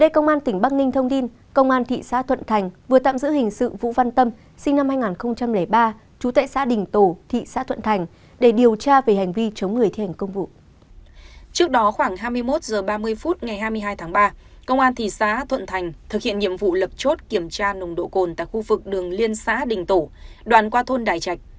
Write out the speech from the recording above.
các bạn hãy đăng ký kênh để ủng hộ kênh của chúng mình nhé